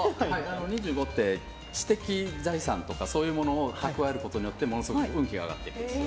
２５って知的財産とかそういうものを蓄えることでものすごく運気が上がっていくんです。